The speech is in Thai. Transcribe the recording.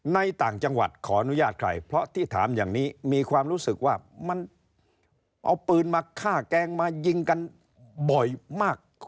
ต่างจังหวัดขออนุญาตใครเพราะที่ถามอย่างนี้มีความรู้สึกว่ามันเอาปืนมาฆ่าแกงมายิงกันบ่อยมาก